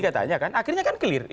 katanya kan akhirnya kan clear